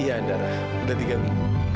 iya andara berarti kami